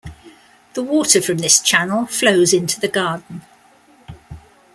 The water from this channel flows into the garden.